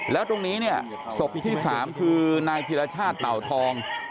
แล้วตรงนี้เนี่ยศพที่๓คือนายธิรชาติเต่าทอง